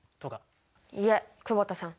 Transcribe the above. いえ久保田さん。